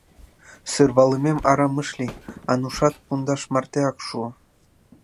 Сӧрвалымем арам ыш лий, — Анушат пундаш мартеак шуо.